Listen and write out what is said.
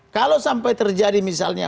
kalau sampai terjadi misalnya